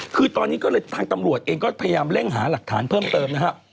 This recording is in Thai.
คือตอนนี้ก็เลยทางตำรวจเองก็พยายามเร่งหาหลักฐานเพิ่มเติมนะครับ